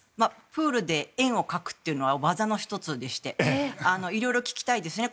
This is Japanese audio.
プールで円を描くというのは技の１つでして色々聞きたいですね。